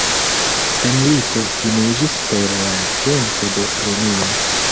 La milito finiĝis per la venko de Romio.